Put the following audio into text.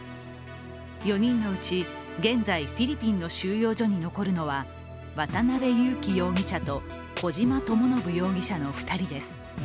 ４人のうち現在、フィリピンの収容所に残るのは渡辺優樹容疑者と小島智信容疑者の２人です。